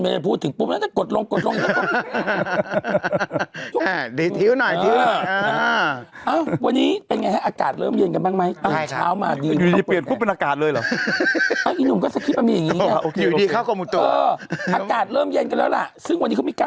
ไม่ได้พูดถึงปุ๊บแล้วกดลงกดลง